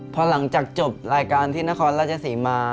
พอหลังจากจบรายการที่นครราชศรีมา